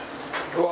「うわ！」